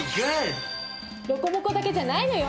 ロコモコだけじゃないのよ。